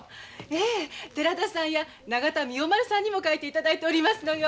ええ寺田さんや永田竹丸さんにも描いて頂いておりますのよ。